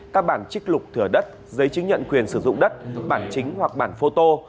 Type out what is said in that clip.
các bản trích lục thừa đất giấy chứng nhận quyền sử dụng đất bản chính hoặc bản phô tô